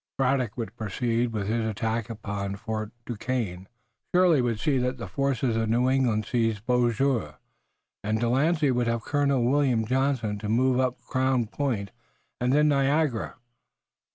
Braddock would proceed with his attack upon Fort Duquesne, Shirley would see that the forces of New England seized Beauséjour and De Lancey would have Colonel William Johnson to move upon Crown Point and then Niagara.